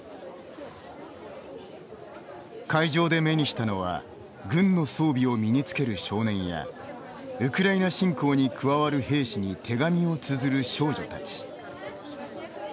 会場で目にしたのは軍の装備を身につける少年やウクライナ侵攻に加わる兵士に手紙をつづる少女たち。